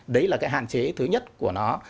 đấy là cái hạn chế thứ nhất của nó